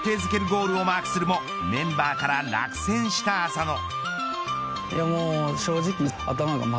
ゴールをマークするもメンバーから落選した浅野。